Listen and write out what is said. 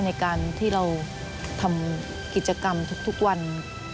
ในการที่เราทำกิจกรรมทุกวัน